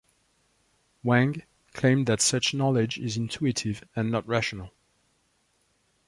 Wang claimed that such knowledge is intuitive and not rational.